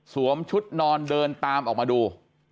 ชุดนอนเดินตามออกมาดู